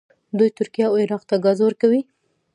دوی ترکیې او عراق ته ګاز ورکوي.